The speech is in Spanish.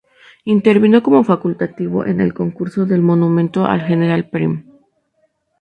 Intervino como facultativo en el concurso del monumento al general Prim.